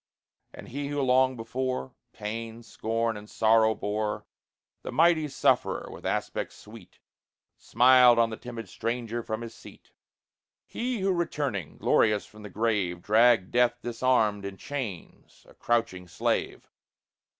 And He who long before, Pain, scorn, and sorrow bore, The Mighty Sufferer, with aspect sweet, Smiled on the timid stranger from his seat; He who returning, glorious, from the grave, Dragged Death disarmed, in chains, a crouching slave.